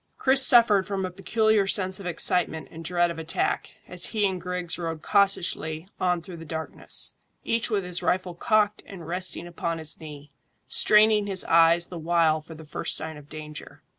Chris suffered from a peculiar sense of excitement and dread of attack, as he and Griggs rode cautiously on through the darkness, each with his rifle cocked and resting upon his knee, straining his eyes the while for the first sign of danger.